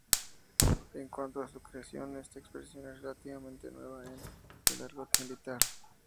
En cuanto a su creación, esta expresión es relativamente nueva en el argot militar.